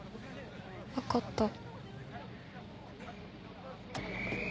わかった。